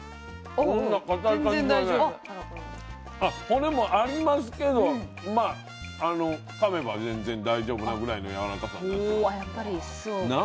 骨もありますけどかめば全然大丈夫なぐらいのやわらかさになってます。